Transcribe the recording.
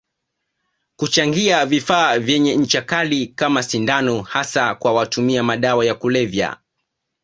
Kuchangia vifaa vyenye ncha Kali kama sindano hasa kwa watumia madawa ya kulevya